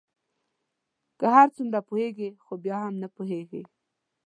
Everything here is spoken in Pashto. که هر څومره پوهیږی خو بیا هم نه پوهیږې